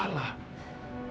hari ini bukan hari yang buruk